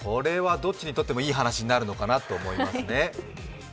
どっちにとってもいい話になるのかなと思いますね。